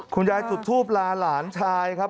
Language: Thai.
คุณยายจุดทูปลาหลานชายครับ